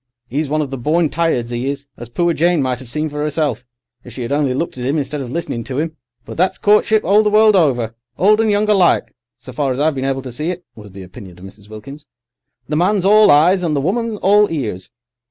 'E's one of the born tireds, 'e is, as poor Jane might 'ave seen for 'erself, if she 'ad only looked at 'im, instead of listening to 'im. "But that's courtship all the world over—old and young alike, so far as I've been able to see it," was the opinion of Mrs. Wilkins. "The man's all eyes and the woman all ears.